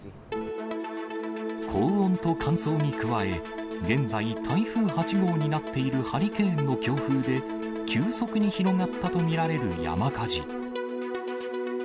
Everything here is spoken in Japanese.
高温と乾燥に加え、現在、台風８号になっているハリケーンの強風で、急速に広がったと見られる山火事。